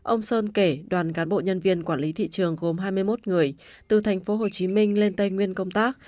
ông sơn kể đoàn cán bộ nhân viên quản lý thị trường gồm hai mươi một người từ tp hcm lên tây nguyên công tác